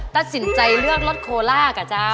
ตัดสินใจเลือกรสโคล่ากับเจ้า